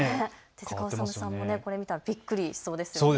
手塚治虫さんもこれを見たらびっくりするでしょうね。